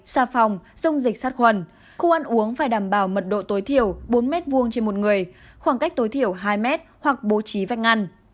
xa phòng dùng dịch sát khuẩn